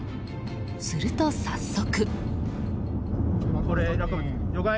すると早速。